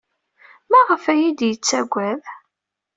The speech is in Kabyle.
Maɣef ay iyi-yettaggad?